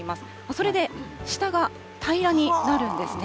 それで下が平らになるんですね。